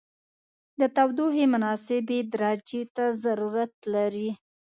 د تودوخې مناسبې درجې ته ضرورت لري.